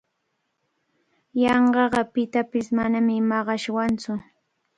Yanqaqa pitapish manami maqashwantsu.